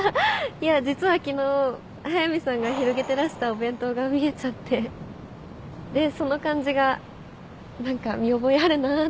いや実は昨日速見さんが広げてらしたお弁当が見えちゃってでその感じが何か見覚えあるなって。